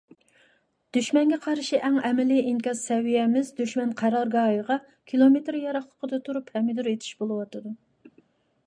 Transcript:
دۈشمەنگە قارشى ئەڭ ئەمەلىي ئىنكاس سەۋىيەمىز دۈشمەن قارارگاھىغا كىلومېتىر يىراقلىقىدا تۇرۇپ «پەمىدۇر ئېتىش» بولۇۋاتىدۇ.